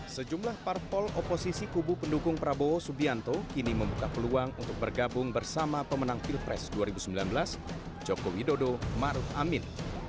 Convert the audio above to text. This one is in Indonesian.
sejumlah parpol oposisi kubu pendukung prabowo subianto kini membuka peluang untuk bergabung bersama pemenang pilpres dua ribu sembilan belas joko widodo maruf amin